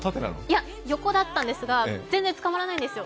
いや、横だったんですが全然捕まえらないんですよ。